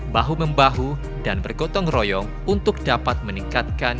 bahu membahu dan bergotong royong untuk dapat meningkatkan